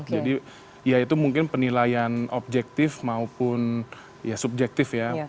jadi ya itu mungkin penilaian objektif maupun ya subjektif ya